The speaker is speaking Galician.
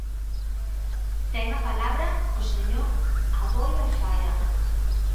Ten a palabra o señor Aboi Alfaia.